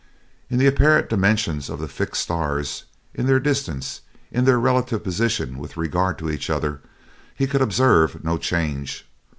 In the apparent dimensions of the fixed stars, in their distance, in their relative position with regard to each other, he could observe no change.